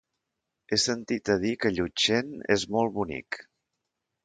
He sentit a dir que Llutxent és molt bonic.